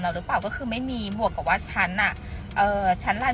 เราหรือเปล่าก็คือไม่มีบวกกับว่าชั้นอ่ะเออชั้นลาน